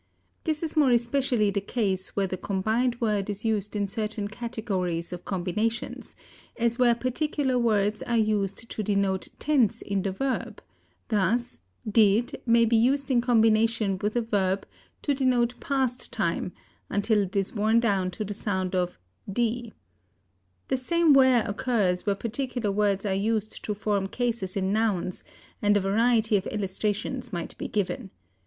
This is more especially the case where the combined word is used in certain categories of combinations, as where particular words are used to denote tense in the verb; thus, did may be used in combination with a verb to denote past time until it is worn down to the sound of d. The same wear occurs where particular words are used to form cases in nouns, and a variety of illustrations might be given.